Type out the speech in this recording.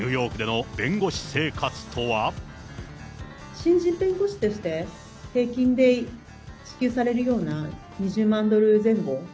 新人弁護士として、平均で支給されるような２０万ドル前後。